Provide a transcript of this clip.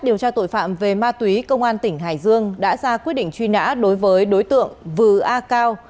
điều tra tội phạm về ma túy công an tỉnh hải dương đã ra quyết định truy nã đối với đối tượng vư a cao